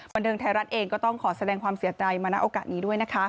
บันเทิงไทยรัฐเองก็ต้องขอแสดงความเสียใจมาณโอกาสนี้ด้วยนะคะ